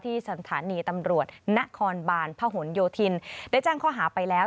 ที่สันธานีตำรวจณคอนบานพหนโยธินได้จ้างข้อหาไปแล้ว